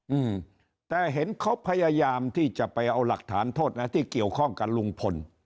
อืมแต่เห็นเขาพยายามที่จะไปเอาหลักฐานโทษนะที่เกี่ยวข้องกับลุงพล